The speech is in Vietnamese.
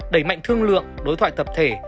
đẩy mạnh thương lượng đối thoại tập thể